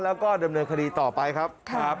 แล้วก็ดำเนินคดีต่อไปครับ